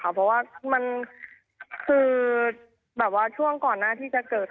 เพราะว่ามันคือแบบว่าช่วงก่อนหน้าที่จะเกิด